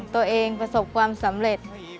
ตัวเองประสบความสำเร็จ